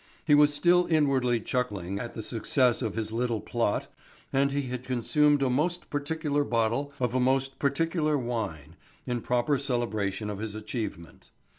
He was still inwardly chuckling at the success of his little plot and he had consumed a most particular bottle of a most particular wine in proper celebration of his achievement.